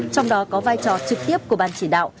trong đó có vai trò trực tiếp của ban chỉ đạo